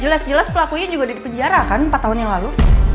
jelas jelas pelakunya juga dipenjara kan empat tahun yang lalu